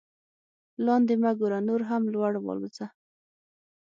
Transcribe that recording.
لاندې مه ګوره نور هم لوړ والوځه.